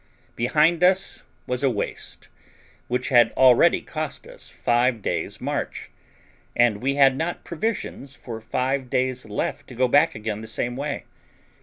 Behind us was a waste, which had already cost us five days' march, and we had not provisions for five days left to go back again the same way.